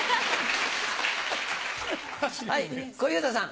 はい小遊三さん。